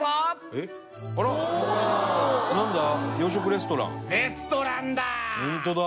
レストランだ！